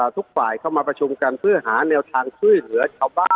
ทุกฝ่ายเข้ามาประชุมกันเพื่อหาแนวทางช่วยเหลือชาวบ้าน